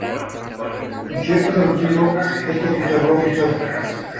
En cierto sentido, esto no es una simple broma.